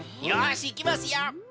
よしいきますよ！